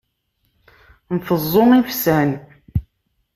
Nteẓẓu ifsan.